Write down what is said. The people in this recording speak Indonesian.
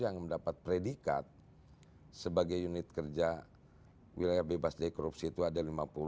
yang mendapat predikat sebagai unit kerja wilayah bebas dari korupsi itu ada lima puluh